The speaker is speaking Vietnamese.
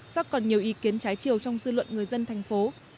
do còn nhiều ý kiến trái chiều trong dư luận người dân thành phố